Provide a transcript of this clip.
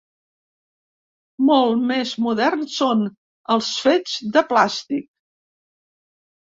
Molt més moderns són els fets de plàstic.